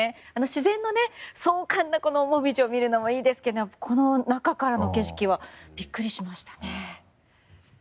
自然の壮観なモミジを見るのもいいんですけどもこの中からの景色はビックリしましたね。